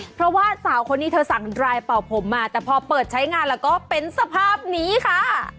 เพราะว่าสาวคนนี้เธอสั่งรายเป่าผมมาแต่พอเปิดใช้งานแล้วก็เป็นสภาพนี้ค่ะ